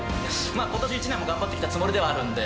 ことし１年も頑張ってきたつもりではあるんで。